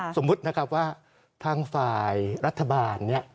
สมมุตินะครับว่าทางฝ่ายรัฐบาลเนี่ย